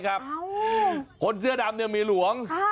คนเสื้อดำมีหลวง